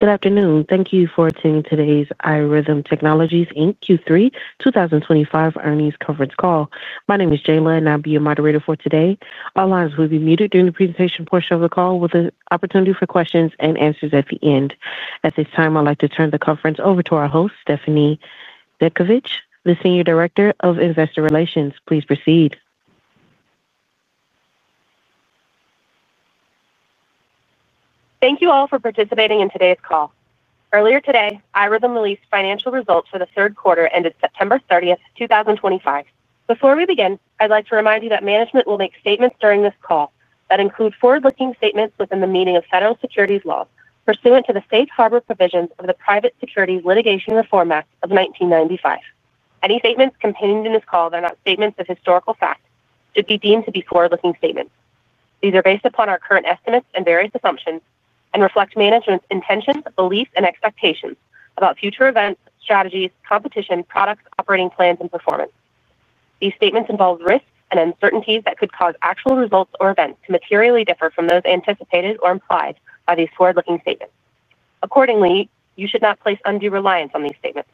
Good afternoon. Thank you for attending today's iRhythm Technologies Inc Q3 2025 earnings conference call. My name is Jayla, and I'll be your moderator for today. All lines will be muted during the presentation portion of the call, with an opportunity for questions and answers at the end. At this time, I'd like to turn the conference over to our host, Stephanie Zhadkevich, the Senior Director of Investor Relations. Please proceed. Thank you all for participating in today's call. Earlier today, iRhythm released financial results for the third quarter ended September 30th, 2025. Before we begin, I'd like to remind you that management will make statements during this call that include forward-looking statements within the meaning of federal securities laws pursuant to the safe harbor provisions of the Private Securities Litigation Reform Act of 1995. Any statements contained in this call that are not statements of historical fact should be deemed to be forward-looking statements. These are based upon our current estimates and various assumptions and reflect management's intentions, beliefs, and expectations about future events, strategies, competition, products, operating plans, and performance. These statements involve risks and uncertainties that could cause actual results or events to materially differ from those anticipated or implied by these forward-looking statements. Accordingly, you should not place undue reliance on these statements.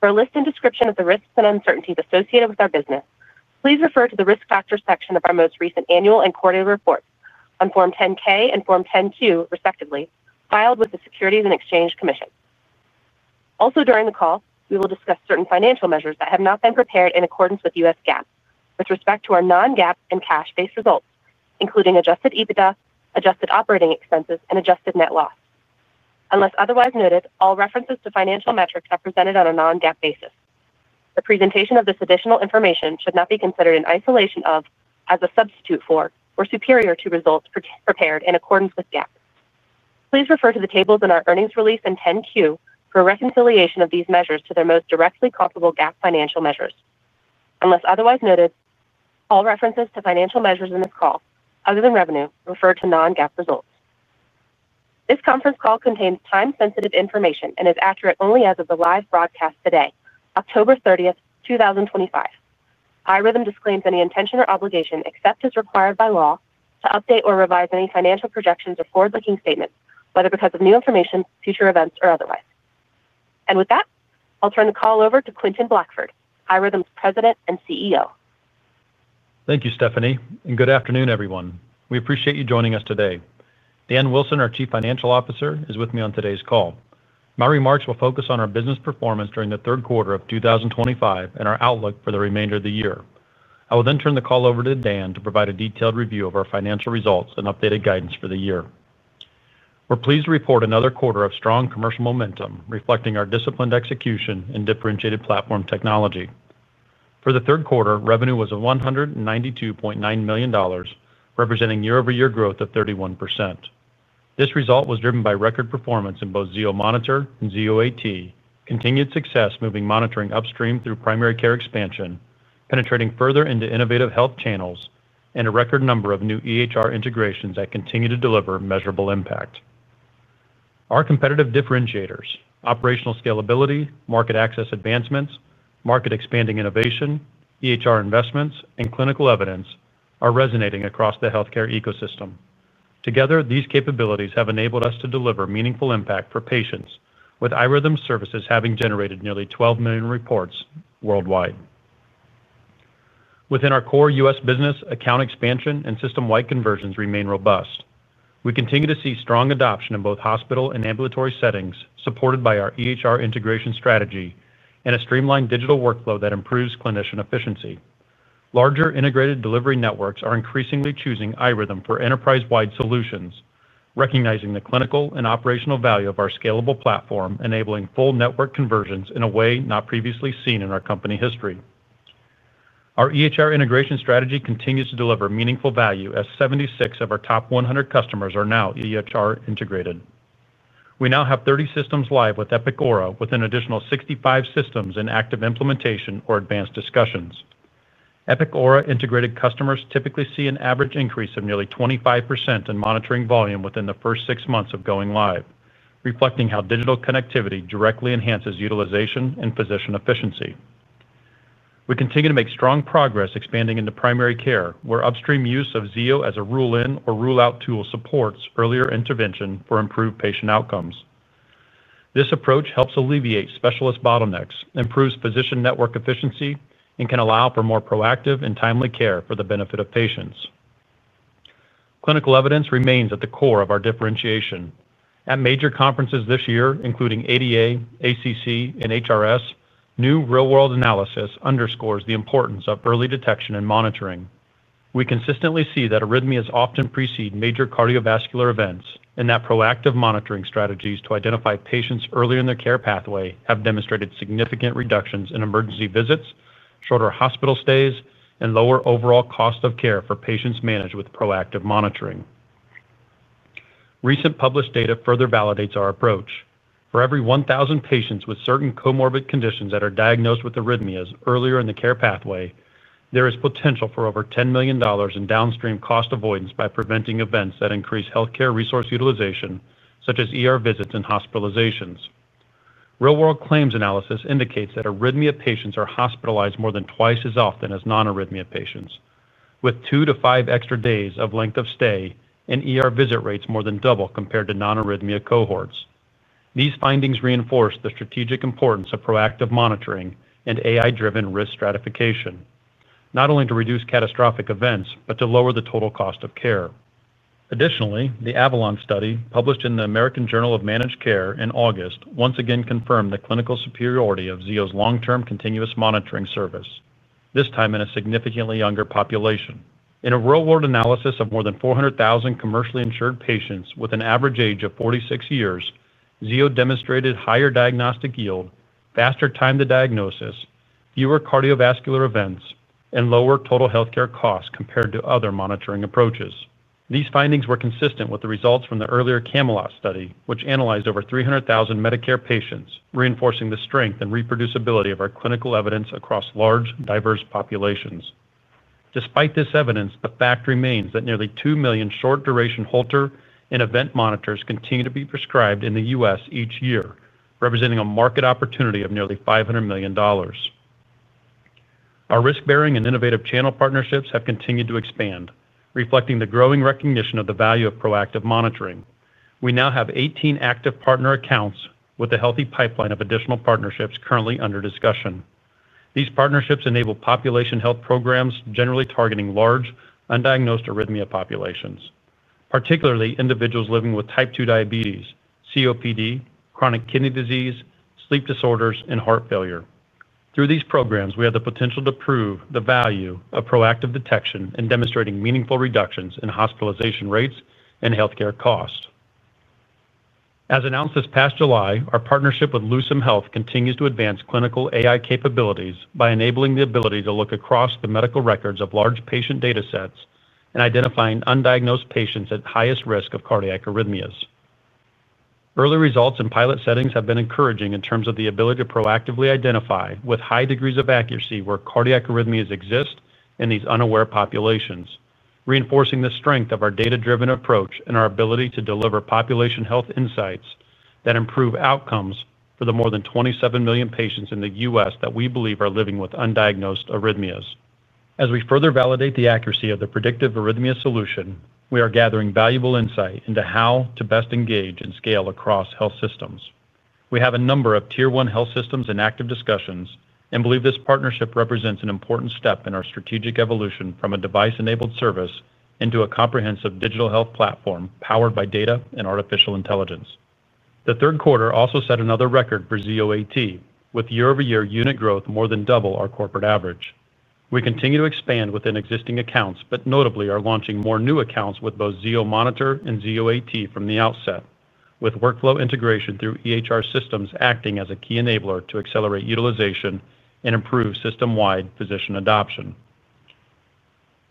For a list and description of the risks and uncertainties associated with our business, please refer to the risk factors section of our most recent annual and quarterly reports on Form 10-K and Form 10-Q, respectively, filed with the Securities and Exchange Commission. Also, during the call, we will discuss certain financial measures that have not been prepared in accordance with U.S. GAAP with respect to our non-GAAP and cash-based results, including adjusted EBITDA, adjusted operating expenses, and adjusted net loss. Unless otherwise noted, all references to financial metrics are presented on a non-GAAP basis. The presentation of this additional information should not be considered in isolation of, as a substitute for, or superior to results prepared in accordance with GAAP. Please refer to the tables in our earnings release and 10-Q for a reconciliation of these measures to their most directly comparable GAAP financial measures. Unless otherwise noted, all references to financial measures in this call, other than revenue, refer to non-GAAP results. This conference call contains time-sensitive information and is accurate only as of the live broadcast today, October 30th, 2025. iRhythm disclaims any intention or obligation, except as required by law, to update or revise any financial projections or forward-looking statements, whether because of new information, future events, or otherwise. With that, I'll turn the call over to Quentin Blackford, iRhythm's President and CEO. Thank you, Stephanie, and good afternoon, everyone. We appreciate you joining us today. Dan Wilson, our Chief Financial Officer, is with me on today's call. My remarks will focus on our business performance during the third quarter of 2025 and our outlook for the remainder of the year. I will then turn the call over to Dan to provide a detailed review of our financial results and updated guidance for the year. We're pleased to report another quarter of strong commercial momentum, reflecting our disciplined execution and differentiated platform technology. For the third quarter, revenue was $192.9 million, representing year-over-year growth of 31%. This result was driven by record performance in both Zio Monitor and Zio AT, continued success moving monitoring upstream through primary care expansion, penetrating further into innovative health channels, and a record number of new EHR integrations that continue to deliver measurable impact. Our competitive differentiators, operational scalability, market access advancements, market-expanding innovation, EHR investments, and clinical evidence, are resonating across the healthcare ecosystem. Together, these capabilities have enabled us to deliver meaningful impact for patients, with iRhythm's services having generated nearly 12 million reports worldwide. Within our core U.S. business, account expansion and system-wide conversions remain robust. We continue to see strong adoption in both hospital and ambulatory settings, supported by our EHR integration strategy and a streamlined digital workflow that improves clinician efficiency. Larger integrated delivery networks are increasingly choosing iRhythm for enterprise-wide solutions, recognizing the clinical and operational value of our scalable platform, enabling full network conversions in a way not previously seen in our company history. Our EHR integration strategy continues to deliver meaningful value as 76 of our top 100 customers are now EHR integrated. We now have 30 systems live with Epic Aura, with an additional 65 systems in active implementation or advanced discussions. Epic Aura integrated customers typically see an average increase of nearly 25% in monitoring volume within the first six months of going live, reflecting how digital connectivity directly enhances utilization and physician efficiency. We continue to make strong progress expanding into primary care, where upstream use of Zio as a rule-in or rule-out tool supports earlier intervention for improved patient outcomes. This approach helps alleviate specialist bottlenecks, improves physician network efficiency, and can allow for more proactive and timely care for the benefit of patients. Clinical evidence remains at the core of our differentiation. At major conferences this year, including ADA, ACC, and HRS, new real-world analysis underscores the importance of early detection and monitoring. We consistently see that arrhythmias often precede major cardiovascular events and that proactive monitoring strategies to identify patients early in their care pathway have demonstrated significant reductions in emergency visits, shorter hospital stays, and lower overall cost of care for patients managed with proactive monitoring. Recent published data further validates our approach. For every 1,000 patients with certain comorbid conditions that are diagnosed with arrhythmias earlier in the care pathway, there is potential for over $10 million in downstream cost avoidance by preventing events that increase healthcare resource utilization, such as visits and hospitalizations. Real-world claims analysis indicates that arrhythmia patients are hospitalized more than twice as often as non-arrhythmia patients, with two to five extra days of length of stay and visit rates more than double compared to non-arrhythmia cohorts. These findings reinforce the strategic importance of proactive monitoring and AI-driven risk stratification, not only to reduce catastrophic events but to lower the total cost of care. Additionally, the AVALON study, published in the American Journal of Managed Care in August, once again confirmed the clinical superiority of Zio's long-term continuous monitoring service, this time in a significantly younger population. In a real-world analysis of more than 400,000 commercially insured patients with an average age of 46 years, Zio demonstrated higher diagnostic yield, faster time to diagnosis, fewer cardiovascular events, and lower total healthcare costs compared to other monitoring approaches. These findings were consistent with the results from the earlier CAMELOT study, which analyzed over 300,000 Medicare patients, reinforcing the strength and reproducibility of our clinical evidence across large, diverse populations. Despite this evidence, the fact remains that nearly 2 million short-duration Holter and event monitors continue to be prescribed in the U.S. each year, representing a market opportunity of nearly $500 million. Our risk-bearing and innovative channel partnerships have continued to expand, reflecting the growing recognition of the value of proactive monitoring. We now have 18 active partner accounts with a healthy pipeline of additional partnerships currently under discussion. These partnerships enable population health programs generally targeting large, undiagnosed arrhythmia populations, particularly individuals living with type 2 diabetes, COPD, chronic kidney disease, sleep disorders, and heart failure. Through these programs, we have the potential to prove the value of proactive detection in demonstrating meaningful reductions in hospitalization rates and healthcare costs. As announced this past July, our partnership with Lucem Health continues to advance clinical AI capabilities by enabling the ability to look across the medical records of large patient data sets and identifying undiagnosed patients at highest risk of cardiac arrhythmias. Early results in pilot settings have been encouraging in terms of the ability to proactively identify, with high degrees of accuracy, where cardiac arrhythmias exist in these unaware populations, reinforcing the strength of our data-driven approach and our ability to deliver population health insights that improve outcomes for the more than 27 million patients in the U.S. that we believe are living with undiagnosed arrhythmias. As we further validate the accuracy of the predictive arrhythmia solution, we are gathering valuable insight into how to best engage and scale across health systems. We have a number of tier-one health systems in active discussions and believe this partnership represents an important step in our strategic evolution from a device-enabled service into a comprehensive digital health platform powered by data and artificial intelligence. The third quarter also set another record for Zio AT, with year-over-year unit growth more than double our corporate average. We continue to expand within existing accounts but notably are launching more new accounts with both Zio Monitor and Zio AT from the outset, with workflow integration through EHR systems acting as a key enabler to accelerate utilization and improve system-wide physician adoption.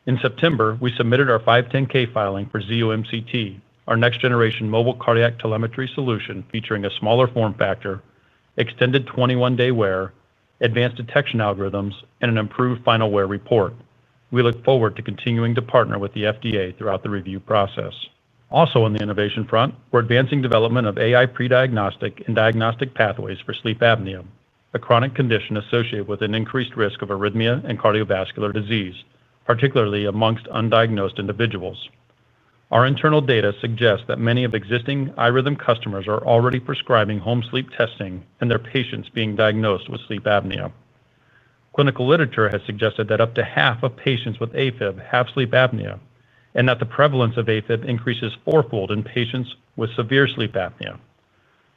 In September, we submitted our 510(k) filing for Zio MCT, our next-generation mobile cardiac telemetry solution featuring a smaller form factor, extended 21-day wear, advanced detection algorithms, and an improved final wear report. We look forward to continuing to partner with the FDA throughout the review process. Also, on the innovation front, we're advancing development of AI pre-diagnostic and diagnostic pathways for sleep apnea, a chronic condition associated with an increased risk of arrhythmia and cardiovascular disease, particularly amongst undiagnosed individuals. Our internal data suggest that many of existing iRhythm customers are already prescribing home sleep testing and their patients being diagnosed with sleep apnea. Clinical literature has suggested that up to half of patients with AFib have sleep apnea and that the prevalence of AFib increases fourfold in patients with severe sleep apnea.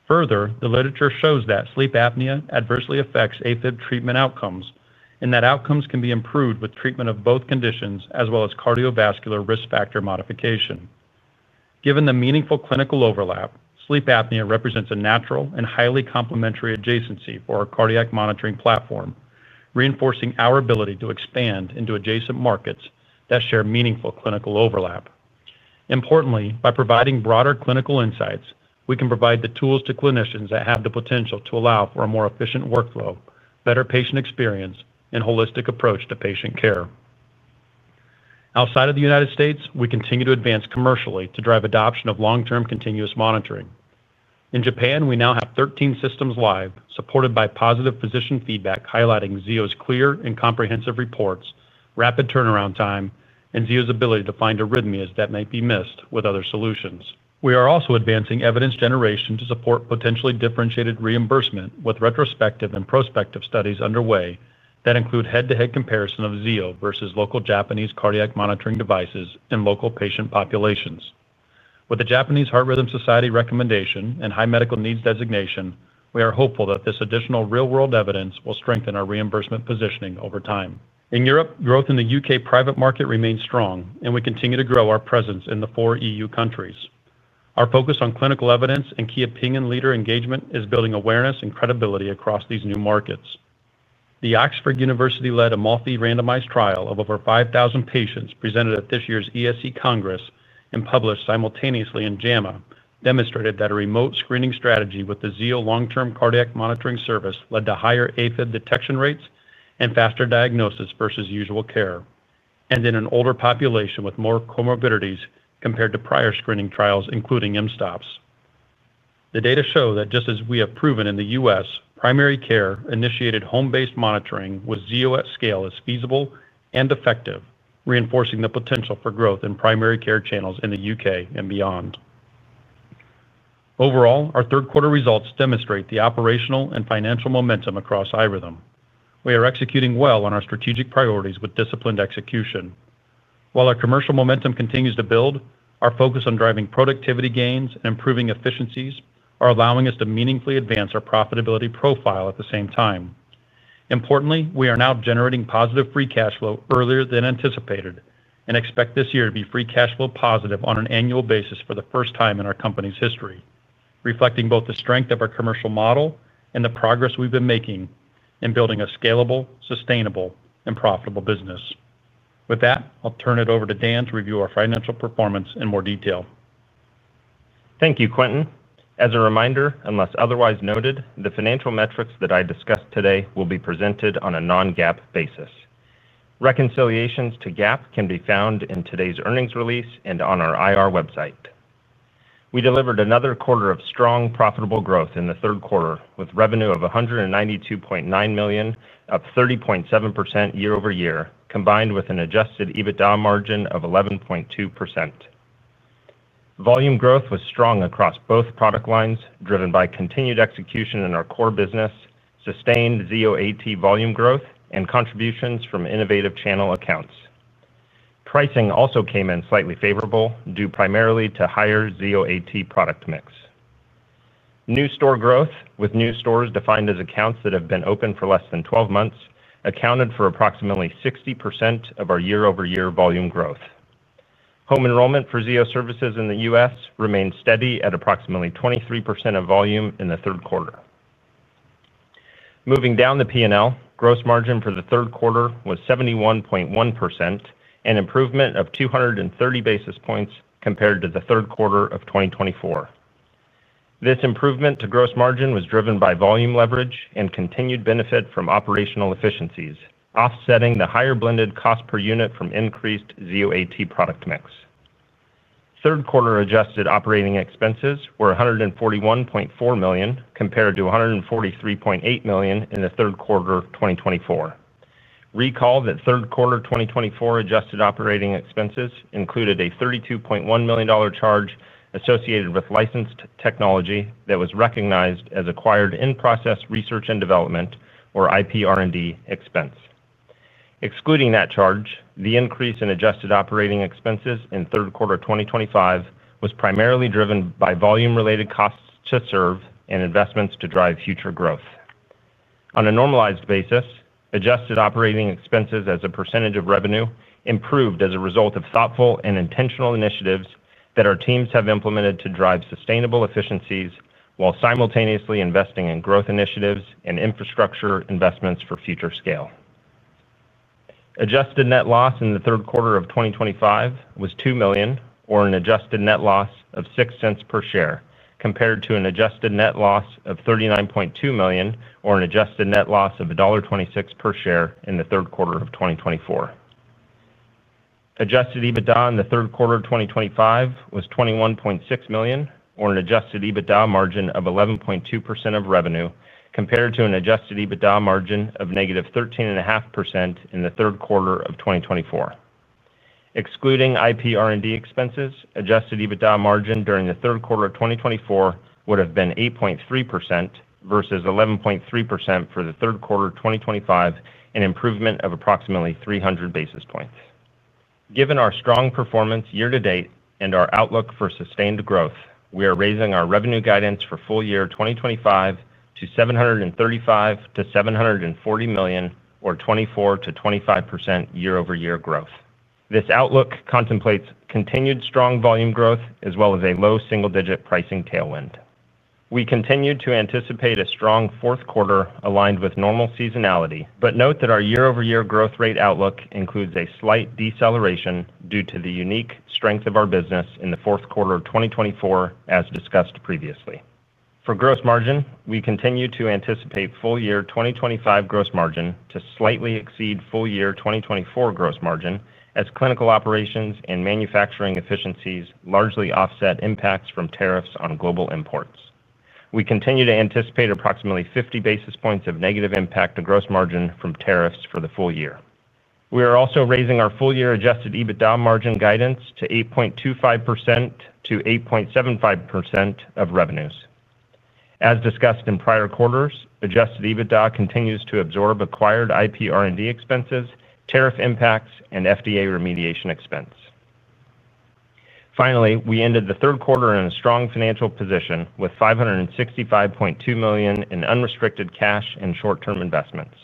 Further, the literature shows that sleep apnea adversely affects AFib treatment outcomes and that outcomes can be improved with treatment of both conditions as well as cardiovascular risk factor modification. Given the meaningful clinical overlap, sleep apnea represents a natural and highly complementary adjacency for our cardiac monitoring platform, reinforcing our ability to expand into adjacent markets that share meaningful clinical overlap. Importantly, by providing broader clinical insights, we can provide the tools to clinicians that have the potential to allow for a more efficient workflow, better patient experience, and holistic approach to patient care. Outside of the United States, we continue to advance commercially to drive adoption of long-term continuous monitoring. In Japan, we now have 13 systems live, supported by positive physician feedback highlighting Zio's clear and comprehensive reports, rapid turnaround time, and Zio's ability to find arrhythmias that might be missed with other solutions. We are also advancing evidence generation to support potentially differentiated reimbursement with retrospective and prospective studies underway that include head-to-head comparison of Zio versus local Japanese cardiac monitoring devices and local patient populations. With the Japanese Heart Rhythm Society recommendation and high medical needs designation, we are hopeful that this additional real-world evidence will strengthen our reimbursement positioning over time. In Europe, growth in the U.K. private market remains strong, and we continue to grow our presence in the four E.U. countries. Our focus on clinical evidence and key opinion leader engagement is building awareness and credibility across these new markets. The Oxford University-led AMALFI randomized trial of over 5,000 patients presented at this year's ESC Congress and published simultaneously in JAMA demonstrated that a remote screening strategy with the Zio long-term cardiac monitoring service led to higher AFib detection rates and faster diagnosis versus usual care, and in an older population with more comorbidities compared to prior screening trials, including mSToPS. The data show that just as we have proven in the U.S., primary care-initiated home-based monitoring with Zio at scale is feasible and effective, reinforcing the potential for growth in primary care channels in the U.K. and beyond. Overall, our third-quarter results demonstrate the operational and financial momentum across iRhythm. We are executing well on our strategic priorities with disciplined execution. While our commercial momentum continues to build, our focus on driving productivity gains and improving efficiencies is allowing us to meaningfully advance our profitability profile at the same time. Importantly, we are now generating positive free cash flow earlier than anticipated and expect this year to be free cash flow positive on an annual basis for the first time in our company's history, reflecting both the strength of our commercial model and the progress we've been making in building a scalable, sustainable, and profitable business. With that, I'll turn it over to Dan to review our financial performance in more detail. Thank you, Quentin. As a reminder, unless otherwise noted, the financial metrics that I discuss today will be presented on a non-GAAP basis. Reconciliations to GAAP can be found in today's earnings release and on our IR website. We delivered another quarter of strong, profitable growth in the third quarter with revenue of $192.9 million, up 30.7% year-over-year, combined with an adjusted EBITDA margin of 11.2%. Volume growth was strong across both product lines, driven by continued execution in our core business, sustained Zio AT volume growth, and contributions from innovative channel accounts. Pricing also came in slightly favorable due primarily to higher Zio AT product mix. New store growth, with new stores defined as accounts that have been open for less than 12 months, accounted for approximately 60% of our year-over-year volume growth. Home enrollment for Zio services in the U.S. remained steady at approximately 23% of volume in the third quarter. Moving down the P&L, gross margin for the third quarter was 71.1%, an improvement of 230 basis points compared to the third quarter of 2024. This improvement to gross margin was driven by volume leverage and continued benefit from operational efficiencies, offsetting the higher blended cost per unit from increased Zio AT product mix. Third-quarter adjusted operating expenses were $141.4 million compared to $143.8 million in the third quarter of 2024. Recall that third-quarter 2024 adjusted operating expenses included a $32.1 million charge associated with licensed technology that was recognized as acquired in-process research and development, or IPR&D, expense. Excluding that charge, the increase in adjusted operating expenses in third quarter 2025 was primarily driven by volume-related costs to serve and investments to drive future growth. On a normalized basis, adjusted operating expenses as a percentage of revenue improved as a result of thoughtful and intentional initiatives that our teams have implemented to drive sustainable efficiencies while simultaneously investing in growth initiatives and infrastructure investments for future scale. Adjusted net loss in the third quarter of 2025 was $2 million, or an adjusted net loss of $0.06 per share, compared to an adjusted net loss of $39.2 million, or an adjusted net loss of $1.26 per share in the third quarter of 2024. Adjusted EBITDA in the third quarter of 2025 was $21.6 million, or an adjusted EBITDA margin of 11.2% of revenue compared to an adjusted EBITDA margin of negative 13.5% in the third quarter of 2024. Excluding IPR&D expenses, adjusted EBITDA margin during the third quarter of 2024 would have been 8.3% versus 11.3% for the third quarter of 2025, an improvement of approximately 300 basis points. Given our strong performance year to date and our outlook for sustained growth, we are raising our revenue guidance for full year 2025 to $735 million-$740 million, or 24%-25% year-over-year growth. This outlook contemplates continued strong volume growth as well as a low single-digit pricing tailwind. We continue to anticipate a strong fourth quarter aligned with normal seasonality, but note that our year-over-year growth rate outlook includes a slight deceleration due to the unique strength of our business in the fourth quarter of 2024, as discussed previously. For gross margin, we continue to anticipate full year 2025 gross margin to slightly exceed full year 2024 gross margin as clinical operations and manufacturing efficiencies largely offset impacts from tariffs on global imports. We continue to anticipate approximately 50 basis points of negative impact to gross margin from tariffs for the full year. We are also raising our full year adjusted EBITDA margin guidance to 8.25%-8.75% of revenues. As discussed in prior quarters, adjusted EBITDA continues to absorb acquired IPR&D expenses, tariff impacts, and FDA remediation expense. Finally, we ended the third quarter in a strong financial position with $565.2 million in unrestricted cash and short-term investments.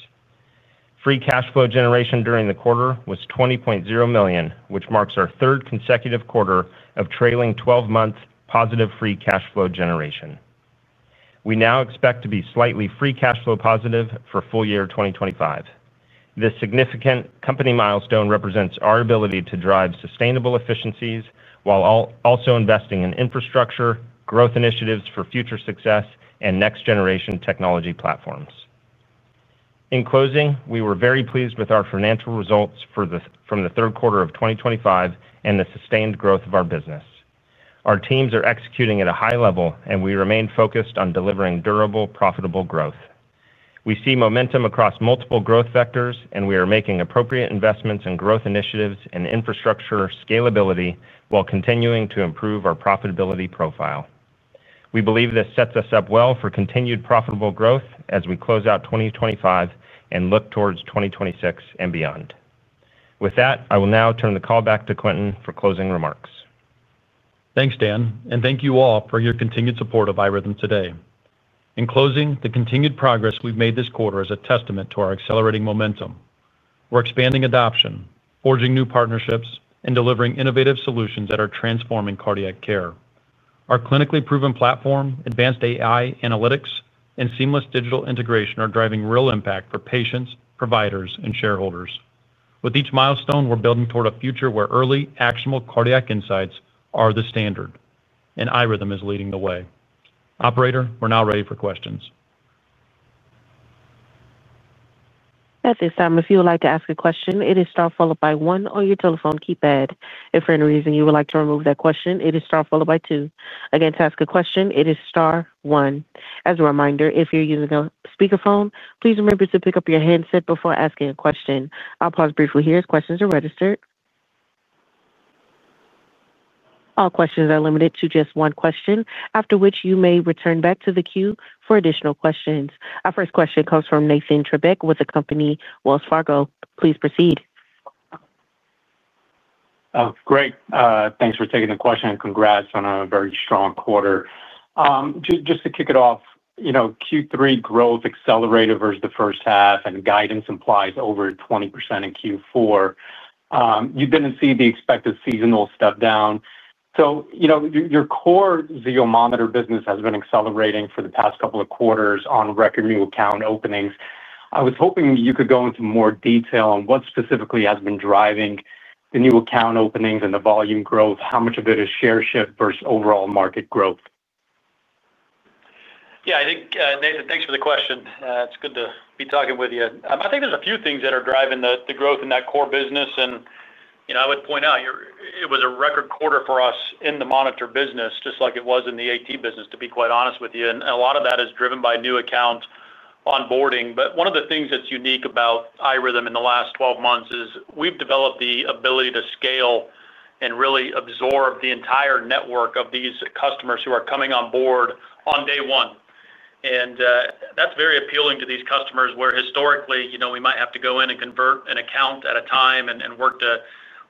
Free cash flow generation during the quarter was $20.0 million, which marks our third consecutive quarter of trailing 12-month positive free cash flow generation. We now expect to be slightly free cash flow positive for full year 2025. This significant company milestone represents our ability to drive sustainable efficiencies while also investing in infrastructure, growth initiatives for future success, and next-generation technology platforms. In closing, we were very pleased with our financial results from the third quarter of 2025 and the sustained growth of our business. Our teams are executing at a high level, and we remain focused on delivering durable, profitable growth. We see momentum across multiple growth vectors, and we are making appropriate investments in growth initiatives and infrastructure scalability while continuing to improve our profitability profile. We believe this sets us up well for continued profitable growth as we close out 2025 and look towards 2026 and beyond. With that, I will now turn the call back to Quentin for closing remarks. Thanks, Dan, and thank you all for your continued support of iRhythm today. In closing, the continued progress we've made this quarter is a testament to our accelerating momentum. We're expanding adoption, forging new partnerships, and delivering innovative solutions that are transforming cardiac care. Our clinically proven platform, advanced AI analytics, and seamless digital integration are driving real impact for patients, providers, and shareholders. With each milestone, we're building toward a future where early, actionable cardiac insights are the standard, and iRhythm is leading the way. Operator, we're now ready for questions. At this time, if you would like to ask a question, it is star followed by one on your telephone keypad. If for any reason you would like to remove that question, it is star followed by two. Again, to ask a question, it is star one. As a reminder, if you're using a speakerphone, please remember to pick up your handset before asking a question. I'll pause briefly here as questions are registered. All questions are limited to just one question, after which you may return back to the queue for additional questions. Our first question comes from Nathan Treybeck with the company Wells Fargo. Please proceed. Great. Thanks for taking the question and congrats on a very strong quarter. Just to kick it off, Q3 growth accelerated versus the first half, and guidance implies over 20% in Q4. You didn't see the expected seasonal step down. Your core Zio Monitor business has been accelerating for the past couple of quarters on record new account openings. I was hoping you could go into more detail on what specifically has been driving the new account openings and the volume growth, how much of it is share shift versus overall market growth? Yeah, I think, Nathan, thanks for the question. It's good to be talking with you. I think there's a few things that are driving the growth in that core business. I would point out it was a record quarter for us in the monitor business, just like it was in the AT business, to be quite honest with you. A lot of that is driven by new account onboarding. One of the things that's unique about iRhythm in the last 12 months is we've developed the ability to scale and really absorb the entire network of these customers who are coming on board on day one. That's very appealing to these customers where historically we might have to go in and convert an account at a time and work to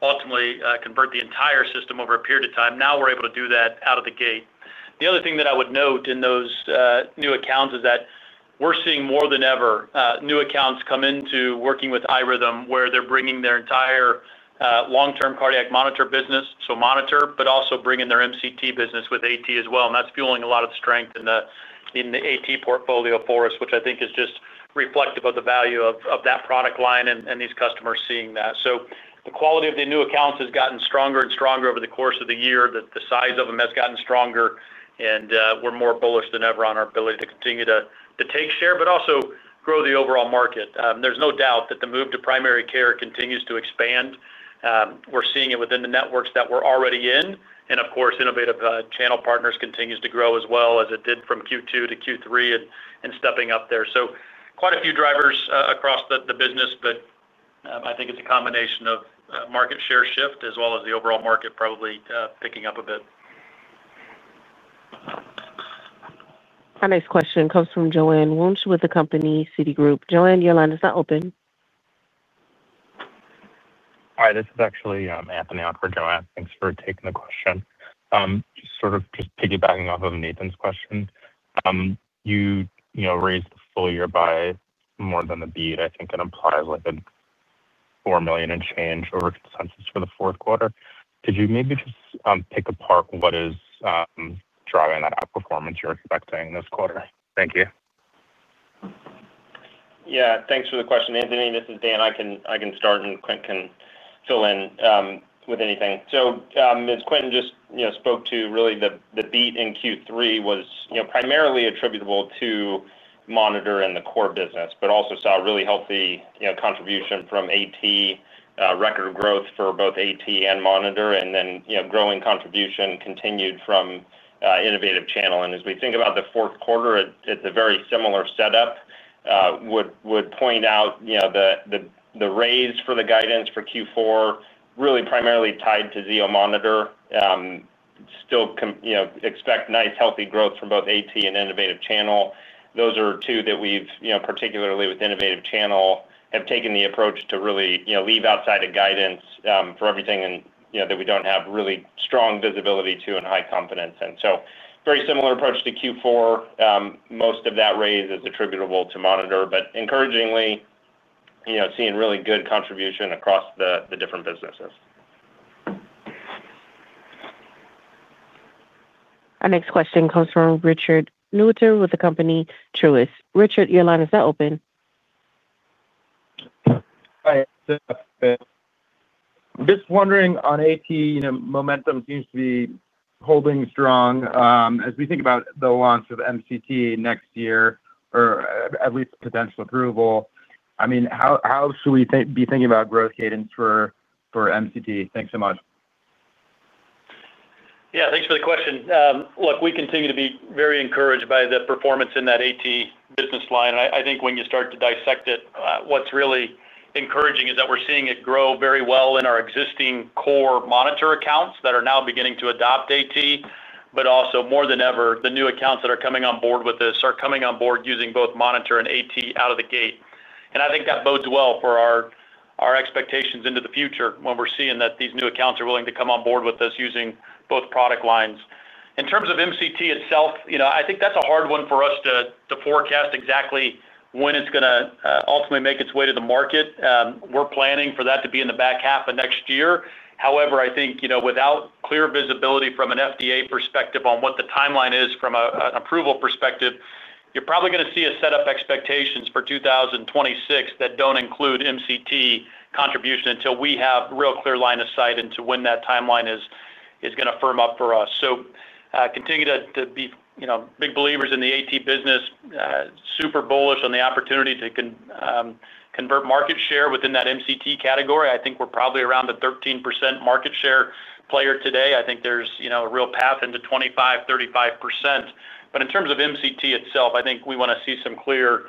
ultimately convert the entire system over a period of time. Now we're able to do that out of the gate. The other thing that I would note in those new accounts is that we're seeing more than ever new accounts come into working with iRhythm where they're bringing their entire. Long-term cardiac monitor business, so monitor, but also bringing their MCT business with AT as well. That's fueling a lot of strength in the AT portfolio for us, which I think is just reflective of the value of that product line and these customers seeing that. The quality of the new accounts has gotten stronger and stronger over the course of the year. The size of them has gotten stronger, and we're more bullish than ever on our ability to continue to take share, but also grow the overall market. There's no doubt that the move to primary care continues to expand. We're seeing it within the networks that we're already in. Innovative channel partners continue to grow as well as it did from Q2 to Q3 and stepping up there. Quite a few drivers across the business, but I think it's a combination of market share shift as well as the overall market probably picking up a bit. Our next question comes from Joanne Wuensch with the company Citigroup. Joanne, your line is now open. Hi, this is actually Anthony on for Joanne. Thanks for taking the question. Just sort of just piggybacking off of Nathan's question. You raised the full year by more than a beat. I think it implies like a $4 million and change over consensus for the fourth quarter. Could you maybe just pick apart what is driving that outperformance you're expecting this quarter? Thank you. Yeah, thanks for the question, Anthony. This is Dan. I can start, and Quentin can fill in with anything. As Quentin just spoke to, really the beat in Q3 was primarily attributable to monitor and the core business, but also saw a really healthy contribution from AT, record growth for both AT and Monitor, and then growing contribution continued from innovative channel. As we think about the fourth quarter, it's a very similar setup. Would point out the raise for the guidance for Q4, really primarily tied to Zio Monitor. Still expect nice, healthy growth from both AT and innovative channel. Those are two that we've particularly, with innovative channel, have taken the approach to really leave outside of guidance for everything that we don't have really strong visibility to and high confidence in. Very similar approach to Q4. Most of that raise is attributable to monitor, but encouragingly seeing really good contribution across the different businesses. Our next question comes from Richard Newitter with the company Truist. Richard, your line is now open. Hi, it's Doug. Just wondering on AT, momentum seems to be holding strong. As we think about the launch of MCT next year, or at least potential approval, how should we be thinking about growth cadence for MCT? Thanks so much. Yeah, thanks for the question. Look, we continue to be very encouraged by the performance in that AT business line. I think when you start to dissect it, what's really encouraging is that we're seeing it grow very well in our existing core monitor accounts that are now beginning to adopt AT, but also more than ever, the new accounts that are coming on board with us are coming on board using both monitor and AT out of the gate. I think that bodes well for our expectations into the future when we're seeing that these new accounts are willing to come on board with us using both product lines. In terms of MCT itself, I think that's a hard one for us to forecast exactly when it's going to ultimately make its way to the market. We're planning for that to be in the back half of next year. However, I think without clear visibility from an FDA perspective on what the timeline is from an approval perspective, you're probably going to see a set of expectations for 2026 that don't include MCT contribution until we have a real clear line of sight into when that timeline is going to firm up for us. Continue to be big believers in the AT business. Super bullish on the opportunity to convert market share within that MCT category. I think we're probably around a 13% market share player today. I think there's a real path into 25%, 35%. In terms of MCT itself, I think we want to see some clear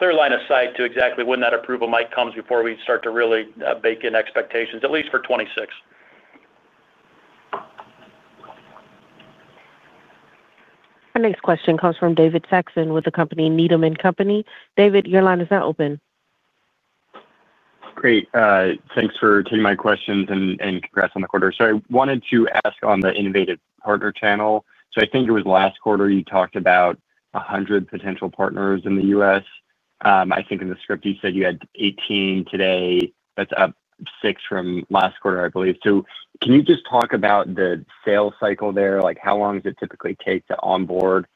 line of sight to exactly when that approval might come before we start to really bake in expectations, at least for 2026. Our next question comes from David Saxon with the company Needham & Company. David, your line is now open. Great. Thanks for taking my questions and congrats on the quarter. I wanted to ask on the innovative partner channel. I think it was last quarter you talked about 100 potential partners in the U.S. I think in the script, you said you had 18 today. That's up six from last quarter, I believe. Can you just talk about the sales cycle there? How long does it typically take to onboard?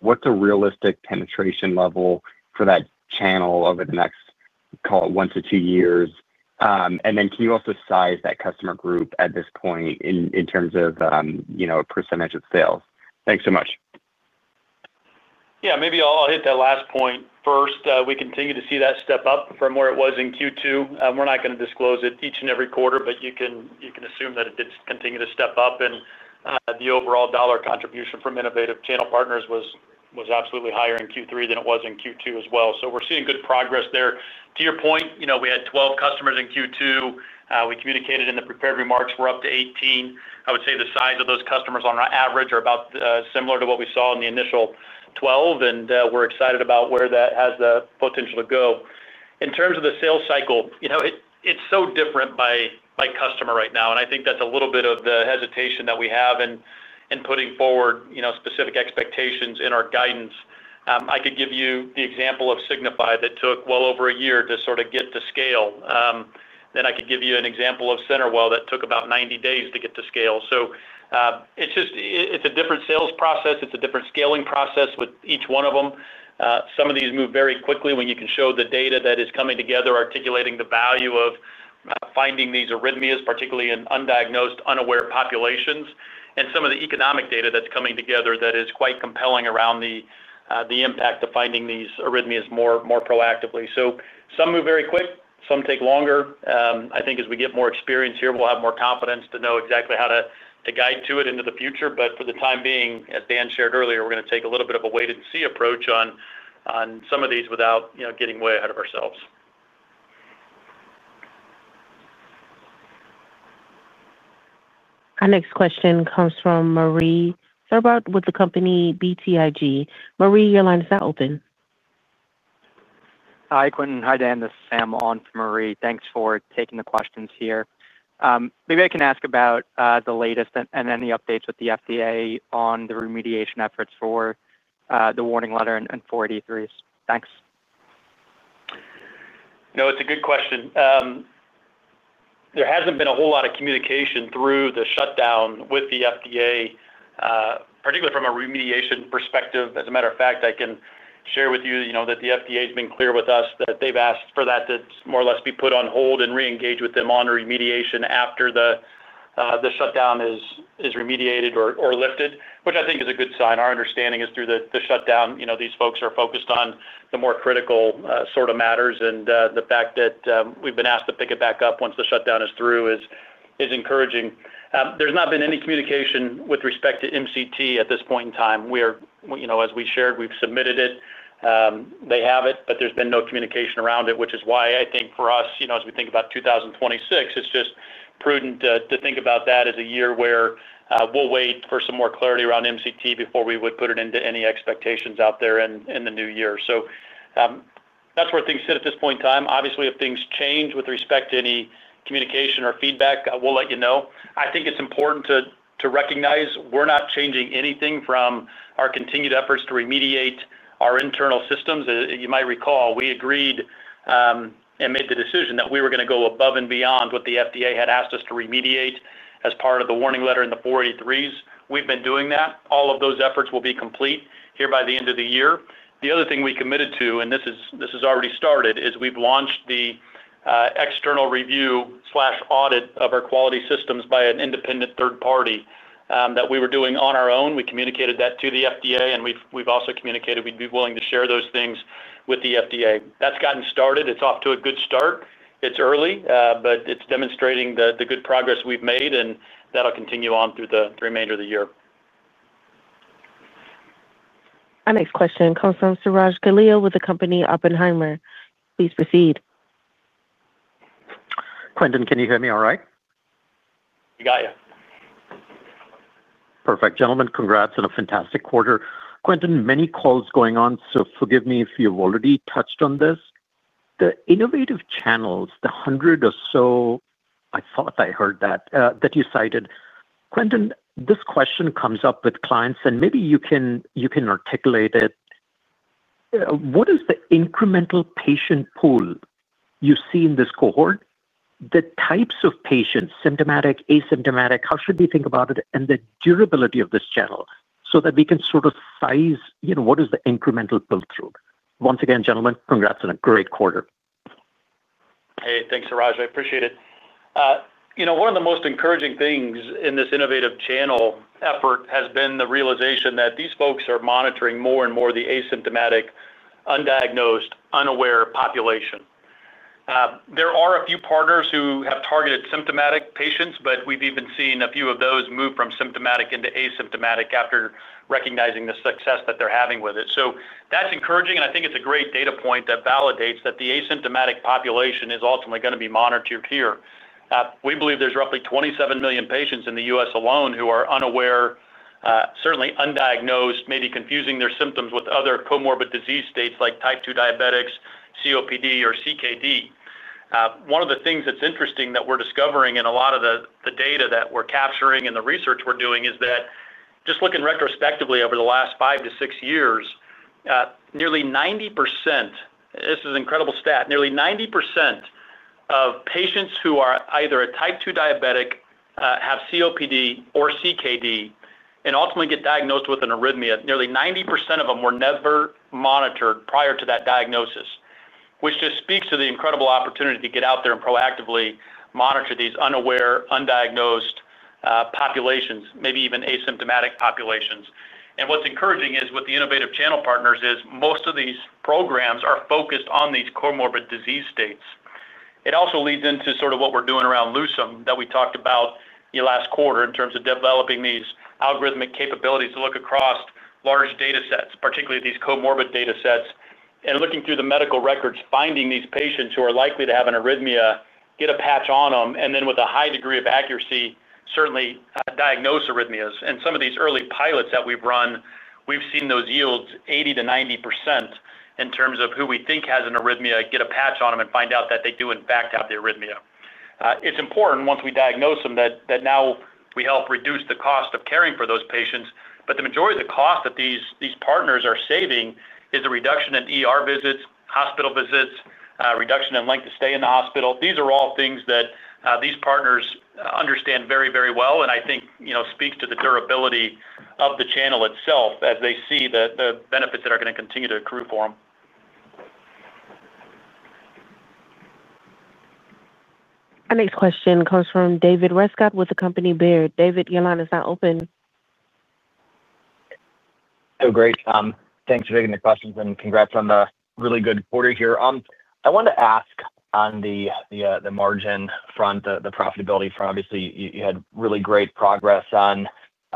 What's a realistic penetration level for that channel over the next, call it, one to two years? Can you also size that customer group at this point in terms of a percentage of sales? Thanks so much. Yeah, maybe I'll hit that last point first. We continue to see that step up from where it was in Q2. We're not going to disclose it each and every quarter, but you can assume that it did continue to step up. The overall dollar contribution from innovative channel partners was absolutely higher in Q3 than it was in Q2 as well. We're seeing good progress there. To your point, we had 12 customers in Q2. We communicated in the prepared remarks we're up to 18. I would say the size of those customers on average are about similar to what we saw in the initial 12, and we're excited about where that has the potential to go. In terms of the sales cycle, it's so different by customer right now, and I think that's a little bit of the hesitation that we have in putting forward specific expectations in our guidance. I could give you the example of Signify that took well over a year to sort of get to scale. I could give you an example of CenterWell that took about 90 days to get to scale. It's a different sales process. It's a different scaling process with each one of them. Some of these move very quickly when you can show the data that is coming together, articulating the value of finding these arrhythmias, particularly in undiagnosed, unaware populations, and some of the economic data that's coming together that is quite compelling around the impact of finding these arrhythmias more proactively. Some move very quick. Some take longer. I think as we get more experience here, we'll have more confidence to know exactly how to guide to it into the future. For the time being, as Dan shared earlier, we're going to take a little bit of a wait-and-see approach on some of these without getting way ahead of ourselves. Our next question comes from Marie Thibault with the company BTIG. Marie, your line is now open. Hi, Quentin. Hi, Dan. This is Sam on for Marie. Thanks for taking the questions here. Maybe I can ask about the latest and any updates with the FDA on the remediation efforts for the warning letter and 483s. Thanks. No, it's a good question. There hasn't been a whole lot of communication through the shutdown with the FDA, particularly from a remediation perspective. As a matter of fact, I can share with you that the FDA has been clear with us that they've asked for that to more or less be put on hold and re-engage with them on remediation after the shutdown is remediated or lifted, which I think is a good sign. Our understanding is through the shutdown, these folks are focused on the more critical sort of matters, and the fact that we've been asked to pick it back up once the shutdown is through is encouraging. There's not been any communication with respect to MCT at this point in time. As we shared, we've submitted it. They have it, but there's been no communication around it, which is why I think for us, as we think about 2026, it's just prudent to think about that as a year where we'll wait for some more clarity around MCT before we would put it into any expectations out there in the new year. That's where things sit at this point in time. Obviously, if things change with respect to any communication or feedback, we'll let you know. I think it's important to recognize we're not changing anything from our continued efforts to remediate our internal systems. As you might recall, we agreed and made the decision that we were going to go above and beyond what the FDA had asked us to remediate as part of the warning letter and the 483s. We've been doing that. All of those efforts will be complete here by the end of the year. The other thing we committed to, and this has already started, is we've launched the external review/audit of our quality systems by an independent third party that we were doing on our own. We communicated that to the FDA, and we've also communicated we'd be willing to share those things with the FDA. That's gotten started. It's off to a good start. It's early, but it's demonstrating the good progress we've made, and that'll continue on through the remainder of the year. Our next question comes from Suraj Kalia with the company Oppenheimer. Please proceed. Quentin, can you hear me all right? We got you. Perfect. Gentlemen, congrats on a fantastic quarter. Quentin, many calls going on, so forgive me if you've already touched on this. The innovative channels, the hundred or so—I thought I heard that—that you cited. Quentin, this question comes up with clients, and maybe you can articulate it. What is the incremental patient pool you see in this cohort? The types of patients, symptomatic, asymptomatic, how should we think about it, and the durability of this channel so that we can sort of size what is the incremental build-through? Once again, gentlemen, congrats on a great quarter. Hey, thanks, Suraj. I appreciate it. One of the most encouraging things in this innovative channel effort has been the realization that these folks are monitoring more and more the asymptomatic, undiagnosed, unaware population. There are a few partners who have targeted symptomatic patients, but we've even seen a few of those move from symptomatic into asymptomatic after recognizing the success that they're having with it. That's encouraging, and I think it's a great data point that validates that the asymptomatic population is ultimately going to be monitored here. We believe there's roughly 27 million patients in the U.S. alone who are unaware. Certainly undiagnosed, maybe confusing their symptoms with other comorbid disease states like type 2 diabetics, COPD, or CKD. One of the things that's interesting that we're discovering in a lot of the data that we're capturing and the research we're doing is that just looking retrospectively over the last five to six years, nearly 90%—this is an incredible stat—nearly 90% of patients who are either a type 2 diabetic, have COPD or CKD, and ultimately get diagnosed with an arrhythmia, nearly 90% of them were never monitored prior to that diagnosis, which just speaks to the incredible opportunity to get out there and proactively monitor these unaware, undiagnosed populations, maybe even asymptomatic populations. What's encouraging is with the innovative channel partners is most of these programs are focused on these comorbid disease states. It also leads into sort of what we're doing around Lucem that we talked about last quarter in terms of developing these algorithmic capabilities to look across large data sets, particularly these comorbid data sets, and looking through the medical records, finding these patients who are likely to have an arrhythmia, get a patch on them, and then with a high degree of accuracy, certainly diagnose arrhythmias. In some of these early pilots that we've run, we've seen those yields 80%-90% in terms of who we think has an arrhythmia, get a patch on them, and find out that they do in fact have the arrhythmia. It's important, once we diagnose them, that now we help reduce the cost of caring for those patients. The majority of the cost that these partners are saving is the reduction in visits, hospital visits, reduction in length of stay in the hospital. These are all things that these partners understand very, very well, and I think speaks to the durability of the channel itself as they see the benefits that are going to continue to accrue for them. Our next question comes from David Rescott with the company Baird. David, your line is now open. Oh, great. Thanks for taking the questions and congrats on the really good quarter here. I wanted to ask on the margin front, the profitability front. Obviously, you had really great progress on.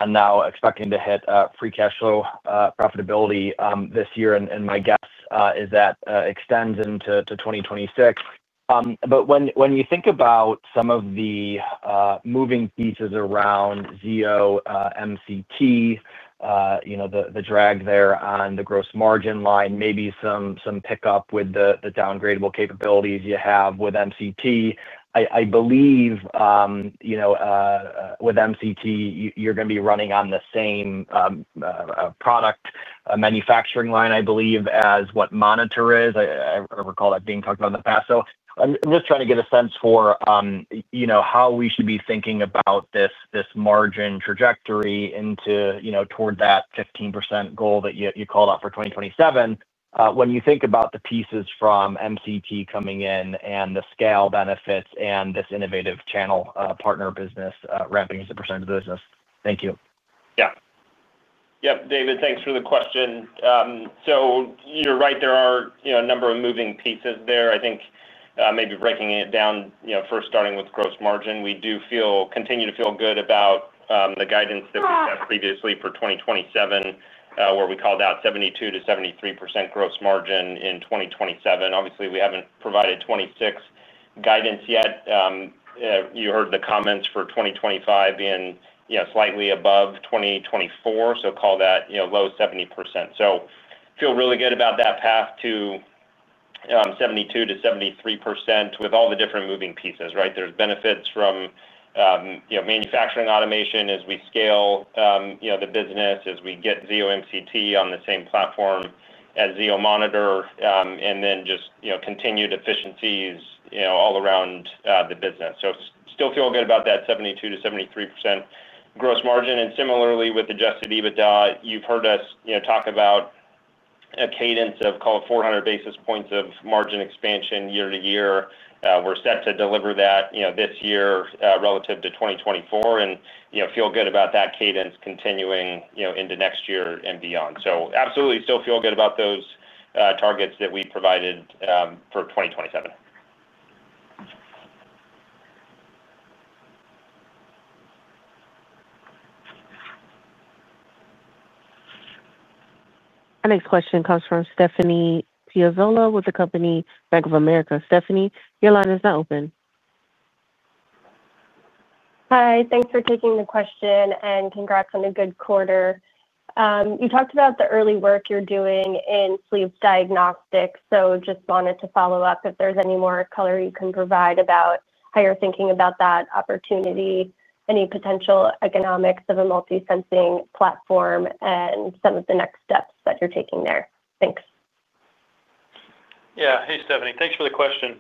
Now expecting to hit free cash flow profitability this year, and my guess is that extends into 2026. When you think about some of the moving pieces around Zio MCT, the drag there on the gross margin line, maybe some pickup with the downgradable capabilities you have with MCT. I believe with MCT, you're going to be running on the same product manufacturing line, I believe, as what Monitor is. I recall that being talked about in the past. I'm just trying to get a sense for how we should be thinking about this margin trajectory toward that 15% goal that you called out for 2027 when you think about the pieces from MCT coming in and the scale benefits and this innovative channel partner business ramping as a percentage of the business. Thank you. Yeah. Yep. David, thanks for the question. You're right. There are a number of moving pieces there. I think maybe breaking it down, first starting with gross margin, we do continue to feel good about the guidance that we had previously for 2027, where we called out 72%-73% gross margin in 2027. Obviously, we haven't provided 2026 guidance yet. You heard the comments for 2025 being slightly above 2024, so call that low 70%. Feel really good about that path to 72%-73% with all the different moving pieces, right? There's benefits from manufacturing automation as we scale the business, as we get Zio MCT on the same platform as Zio Monitor, and then just continued efficiencies all around the business. Still feel good about that 72%-73% gross margin. Similarly, with adjusted EBITDA, you've heard us talk about a cadence of, call it, 400 basis points of margin expansion year to year. We're set to deliver that this year relative to 2024 and feel good about that cadence continuing into next year and beyond. Absolutely still feel good about those targets that we provided for 2027. Our next question comes from Stephanie Piazzola with the company Bank of America. Stephanie, your line is now open. Hi. Thanks for taking the question, and congrats on a good quarter. You talked about the early work you're doing in sleep diagnostics, so just wanted to follow up if there's any more color you can provide about how you're thinking about that opportunity, any potential economics of a multi-sensing platform, and some of the next steps that you're taking there. Thanks. Yeah. Hey, Stephanie. Thanks for the question.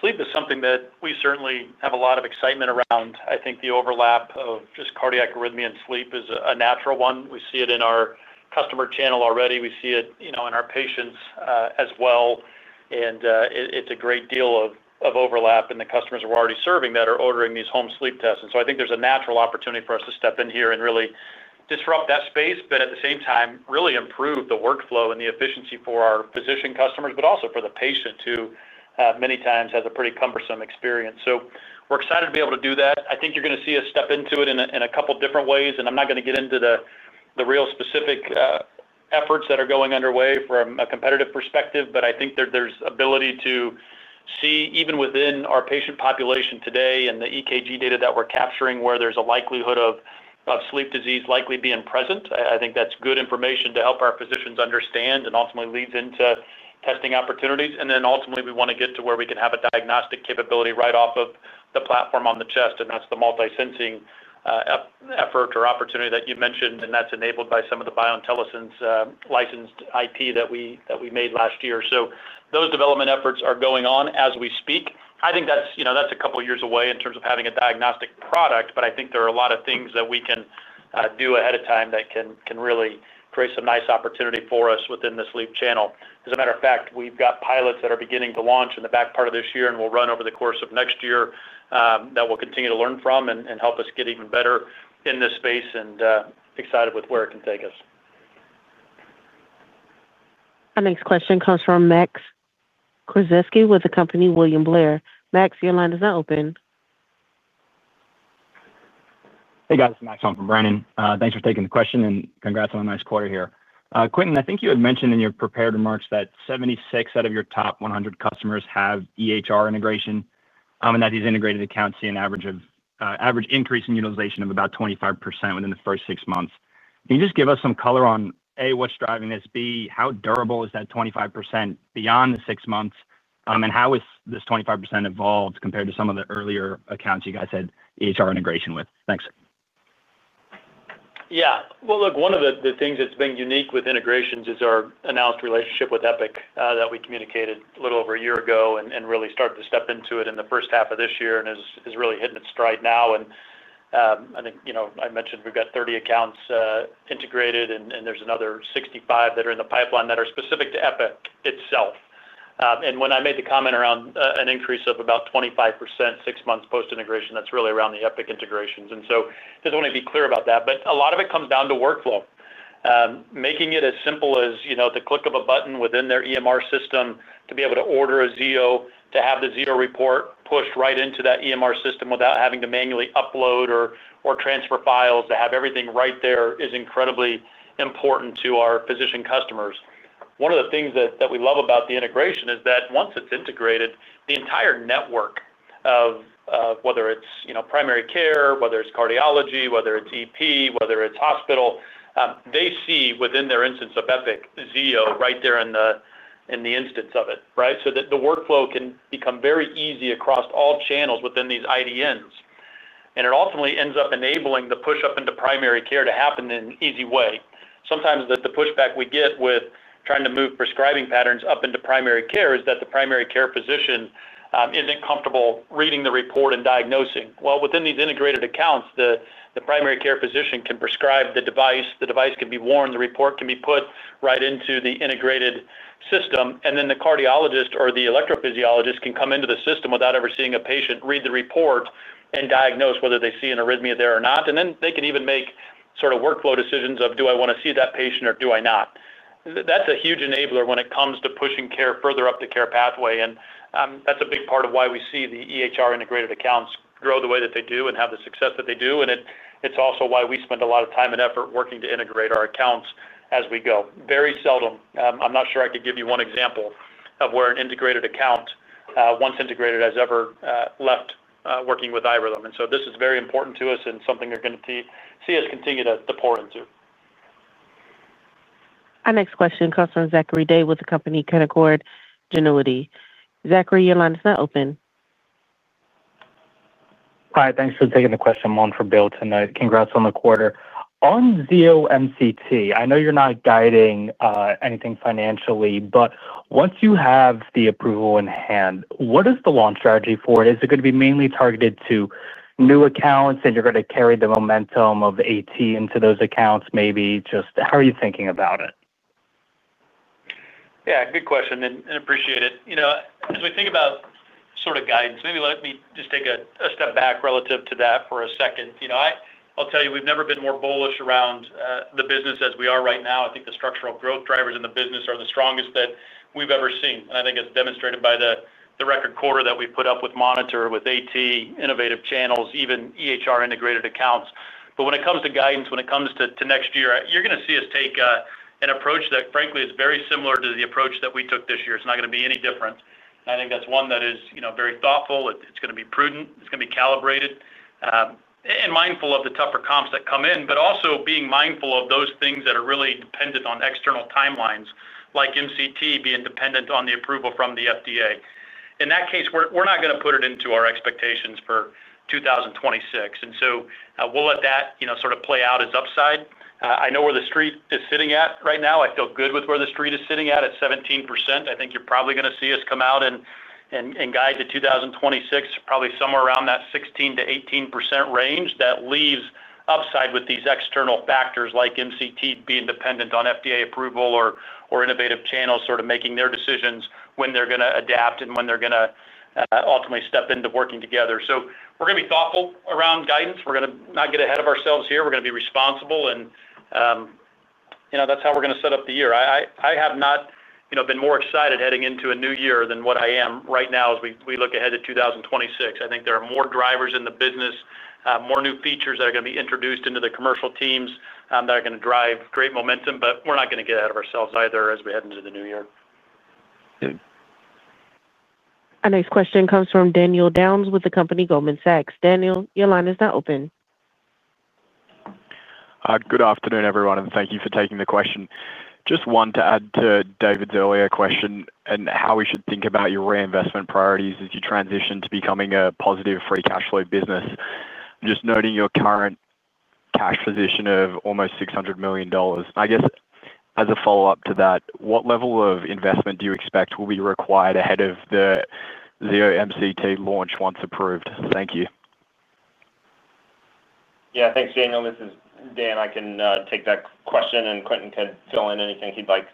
Sleep is something that we certainly have a lot of excitement around. I think the overlap of just cardiac arrhythmia and sleep is a natural one. We see it in our customer channel already. We see it in our patients as well. There is a great deal of overlap in the customers we're already serving that are ordering these home sleep tests. I think there's a natural opportunity for us to step in here and really disrupt that space, but at the same time, really improve the workflow and the efficiency for our physician customers, but also for the patient who many times has a pretty cumbersome experience. We're excited to be able to do that. I think you're going to see us step into it in a couple of different ways. I'm not going to get into the real specific efforts that are going underway from a competitive perspective, but I think there's ability to see even within our patient population today and the EKG data that we're capturing where there's a likelihood of sleep disease likely being present. I think that's good information to help our physicians understand and ultimately leads into testing opportunities. Ultimately, we want to get to where we can have a diagnostic capability right off of the platform on the chest, and that's the multi-sensing effort or opportunity that you mentioned, and that's enabled by some of the BioIntelliSense licensed IP that we made last year. Those development efforts are going on as we speak. I think that's a couple of years away in terms of having a diagnostic product, but I think there are a lot of things that we can do ahead of time that can really create some nice opportunity for us within the sleep channel. As a matter of fact, we've got pilots that are beginning to launch in the back part of this year and will run over the course of next year that we'll continue to learn from and help us get even better in this space and excited with where it can take us. Our next question comes from Max Kruszeski with the company William Blair. Max, your line is now open. Hey, guys. Max on from Brandon. Thanks for taking the question and congrats on a nice quarter here. Quentin, I think you had mentioned in your prepared remarks that 76 out of your top 100 customers have EHR integration and that these integrated accounts see an average increase in utilization of about 25% within the first six months. Can you just give us some color on, A, what's driving this, B, how durable is that 25% beyond the six months, and how has this 25% evolved compared to some of the earlier accounts you guys had EHR integration with? Thanks. Yeah. One of the things that's been unique with integrations is our announced relationship with Epic that we communicated a little over a year ago and really started to step into in the first half of this year and is really hitting its stride now. I think I mentioned we've got 30 accounts integrated, and there's another 65 that are in the pipeline that are specific to Epic itself. When I made the comment around an increase of about 25% six months post-integration, that's really around the Epic integrations. I just want to be clear about that. A lot of it comes down to workflow. Making it as simple as the click of a button within their EMR system to be able to order a Zio, to have the Zio report pushed right into that EMR system without having to manually upload or transfer files to have everything right there is incredibly important to our physician customers. One of the things that we love about the integration is that once it's integrated, the entire network of, whether it's primary care, whether it's cardiology, whether it's EP, whether it's hospital, they see within their instance of Epic Zio right there in the instance of it, right? The workflow can become very easy across all channels within these integrated delivery networks. It ultimately ends up enabling the push-up into primary care to happen in an easy way. Sometimes the pushback we get with trying to move prescribing patterns up into primary care is that the primary care physician isn't comfortable reading the report and diagnosing. Within these integrated accounts, the primary care physician can prescribe the device, the device can be worn, the report can be put right into the integrated system, and then the cardiologist or the electrophysiologist can come into the system without ever seeing a patient, read the report, and diagnose whether they see an arrhythmia there or not. They can even make sort of workflow decisions of, "Do I want to see that patient or do I not?" That is a huge enabler when it comes to pushing care further up the care pathway. That is a big part of why we see the EHR integrated accounts grow the way that they do and have the success that they do. It is also why we spend a lot of time and effort working to integrate our accounts as we go. Very seldom. I am not sure I could give you one example of where an integrated account, once integrated, has ever left working with iRhythm. This is very important to us and something you are going to see us continue to pour into. Our next question comes from Zachary Day with the company Canaccord Genuity. Zachary, your line is now open. Hi. Thanks for taking the question along for Bill tonight. Congrats on the quarter. On Zio MCT, I know you are not guiding anything financially, but once you have the approval in hand, what is the launch strategy for it? Is it going to be mainly targeted to new accounts, and you are going to carry the momentum of AT into those accounts maybe? Just how are you thinking about it? Yeah. Good question, and appreciate it. As we think about sort of guidance, maybe let me just take a step back relative to that for a second. I will tell you, we have never been more bullish around the business as we are right now. I think the structural growth drivers in the business are the strongest that we have ever seen. I think it is demonstrated by the record quarter that we put up with Monitor, with AT, innovative channels, even EHR integrated accounts. When it comes to guidance, when it comes to next year, you are going to see us take an approach that, frankly, is very similar to the approach that we took this year. It is not going to be any different. I think that is one that is very thoughtful. It is going to be prudent. It is going to be calibrated and mindful of the tougher comps that come in, but also being mindful of those things that are really dependent on external timelines, like MCT being dependent on the approval from the FDA. In that case, we are not going to put it into our expectations for 2026. We will let that sort of play out as upside. I know where the street is sitting at right now. I feel good with where the street is sitting at at 17%. I think you're probably going to see us come out and guide to 2026, probably somewhere around that 16% to 18% range that leaves upside with these external factors like Zio MCT being dependent on FDA approval or innovative channels sort of making their decisions when they're going to adapt and when they're going to ultimately step into working together. We're going to be thoughtful around guidance. We're going to not get ahead of ourselves here. We're going to be responsible. That's how we're going to set up the year. I have not been more excited heading into a new year than what I am right now as we look ahead to 2026. I think there are more drivers in the business, more new features that are going to be introduced into the commercial teams that are going to drive great momentum. We're not going to get ahead of ourselves either as we head into the new year. Our next question comes from Daniel Downes with the company Goldman Sachs. Daniel, your line is now open. Good afternoon, everyone, and thank you for taking the question. Just wanted to add to David's earlier question and how we should think about your reinvestment priorities as you transition to becoming a positive free cash flow business. Just noting your current cash position of almost $600 million. I guess as a follow-up to that, what level of investment do you expect will be required ahead of the Zio MCT launch once approved? Thank you. Yeah. Thanks, Daniel. This is Dan. I can take that question, and Quentin can fill in anything he'd like.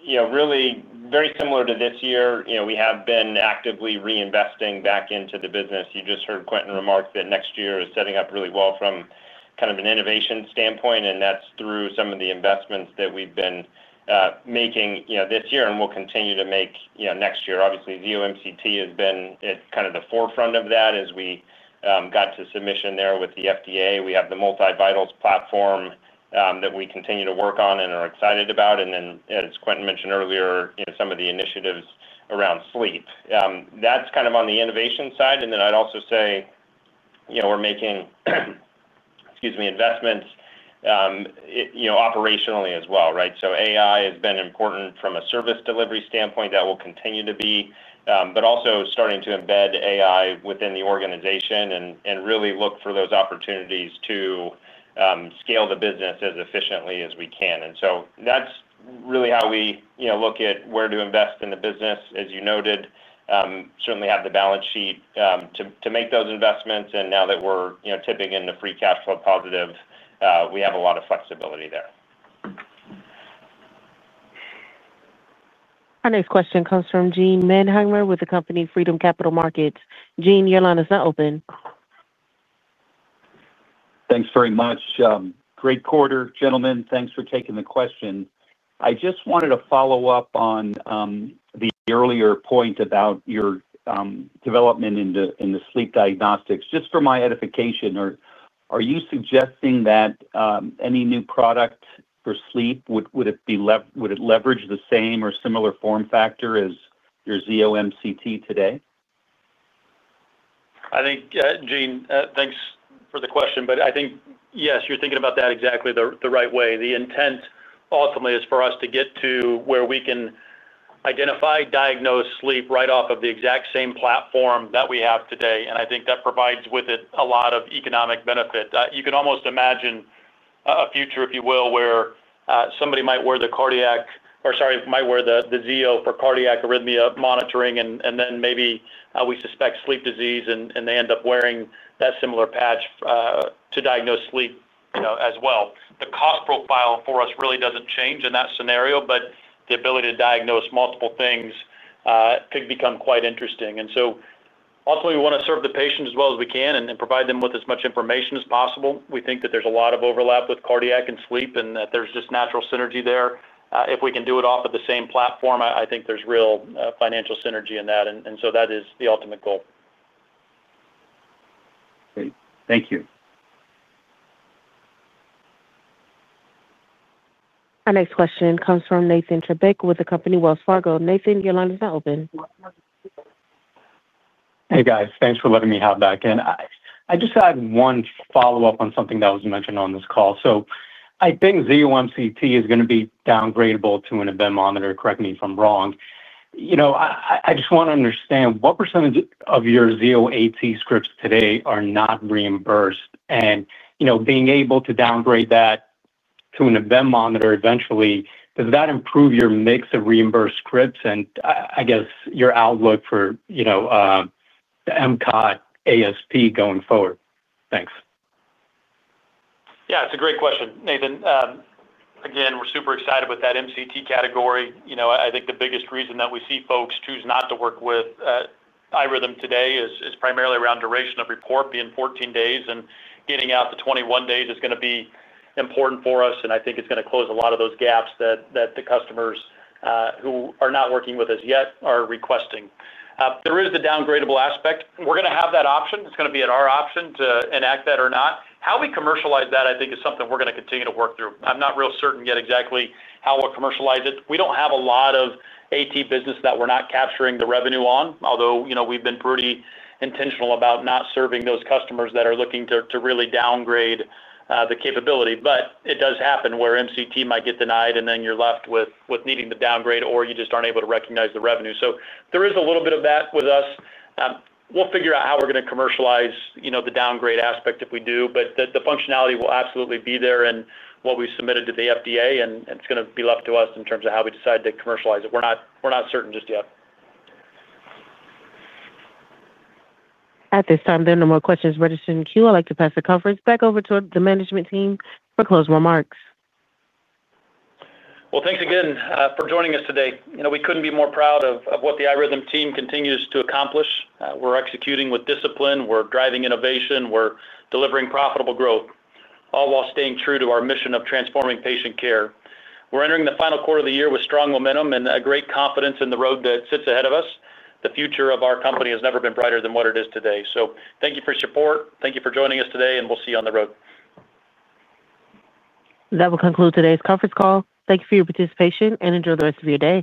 Really very similar to this year, we have been actively reinvesting back into the business. You just heard Quentin remark that next year is setting up really well from kind of an innovation standpoint, and that's through some of the investments that we've been making this year and will continue to make next year. Obviously, Zio MCT has been at kind of the forefront of that as we got to submission there with the FDA. We have the multi-vitals platform that we continue to work on and are excited about. As Quentin mentioned earlier, some of the initiatives around sleep, that's kind of on the innovation side. I'd also say we're making investments operationally as well, right? AI has been important from a service delivery standpoint. That will continue to be, but also starting to embed AI within the organization and really look for those opportunities to scale the business as efficiently as we can. That is really how we look at where to invest in the business, as you noted. We certainly have the balance sheet to make those investments. Now that we're tipping into free cash flow positive, we have a lot of flexibility there. Our next question comes from Gene Mannheimer with the company Freedom Capital Markets. Gene, your line is now open. Thanks very much. Great quarter, gentlemen. Thanks for taking the question. I just wanted to follow up on the earlier point about your development in the sleep diagnostics. Just for my edification, are you suggesting that any new product for sleep, would it leverage the same or similar form factor as your Zio MCT today? I think, Gene, thanks for the question. I think, yes, you're thinking about that exactly the right way. The intent ultimately is for us to get to where we can identify, diagnose sleep right off of the exact same platform that we have today. I think that provides with it a lot of economic benefit. You can almost imagine a future, if you will, where somebody might wear the cardiac, or sorry, might wear the Zio for cardiac arrhythmia monitoring, and then maybe we suspect sleep disease, and they end up wearing that similar patch to diagnose sleep as well. The cost profile for us really doesn't change in that scenario, but the ability to diagnose multiple things could become quite interesting. Ultimately, we want to serve the patient as well as we can and provide them with as much information as possible. We think that there's a lot of overlap with cardiac and sleep and that there's just natural synergy there. If we can do it off of the same platform, I think there's real financial synergy in that. That is the ultimate goal. Great. Thank you. Our next question comes from Nathan Treybeck with the company Wells Fargo. Nathan, your line is now open. Hey, guys. Thanks for letting me have that again. I just had one follow-up on something that was mentioned on this call. I think Zio MCT is going to be downgradable to an event monitor. Correct me if I'm wrong. I just want to understand what percentage of your Zio AT scripts today are not reimbursed? Being able to downgrade that to an event monitor eventually, does that improve your mix of reimbursed scripts and, I guess, your outlook for the MCT ASP going forward? Thanks. Yeah. It's a great question, Nathan. Again, we're super excited with that MCT category. I think the biggest reason that we see folks choose not to work with iRhythm today is primarily around duration of report being 14 days, and getting out to 21 days is going to be important for us. I think it's going to close a lot of those gaps that the customers who are not working with us yet are requesting. There is the downgradable aspect. We're going to have that option. It's going to be at our option to enact that or not. How we commercialize that is something we're going to continue to work through. I'm not real certain yet exactly how we'll commercialize it. We don't have a lot of AT business that we're not capturing the revenue on, although we've been pretty intentional about not serving those customers that are looking to really downgrade the capability. It does happen where MCT might get denied, and then you're left with needing to downgrade, or you just aren't able to recognize the revenue. There is a little bit of that with us. We'll figure out how we're going to commercialize the downgrade aspect if we do. The functionality will absolutely be there in what we submitted to the FDA, and it's going to be left to us in terms of how we decide to commercialize it. We're not certain just yet. At this time, there are no more questions registered in queue. I'd like to pass the conference back over to the management team for closing remarks. Thank you again for joining us today. We couldn't be more proud of what the iRhythm team continues to accomplish. We're executing with discipline. We're driving innovation. We're delivering profitable growth, all while staying true to our mission of transforming patient care. We're entering the final quarter of the year with strong momentum and great confidence in the road that sits ahead of us. The future of our company has never been brighter than what it is today. Thank you for your support. Thank you for joining us today, and we'll see you on the road. That will conclude today's conference call. Thank you for your participation, and enjoy the rest of your day.